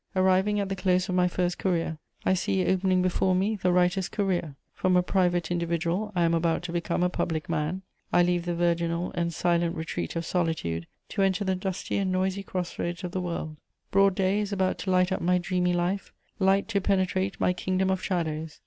Arriving at the close of my first career, I see opening before me the writer's career; from a private individual I am about to become a public man; I leave the virginal and silent retreat of solitude to enter the dusty and noisy cross roads of the world; broad day is about to light up my dreamy life, light to penetrate my kingdom of shadows.